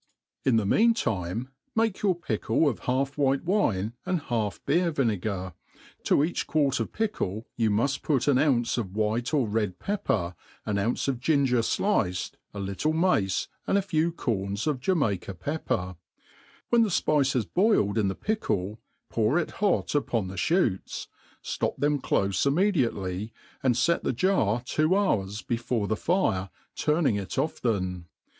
In the mean time, make your pickle of half white wine and half beer^viAcgar :* to eact^ quart of pickle ^ou muft put an ounce of white or red. pepper, an ounce of ginger fliced, a lie tie mace, and a fewc coch» of Jamaica pepper. When ^ fpice has boiled in the pickle, pour it hot upon* t^e ihootd, Aop them clofe immediately, ^nd fet the jar two hours before the fire, turning it often.